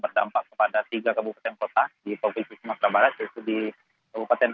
dengan status level tiga siaga dan sudah lima kali terjadi erupsi